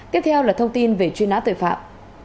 tiếp theo là thông tin về chuyên án tội phạm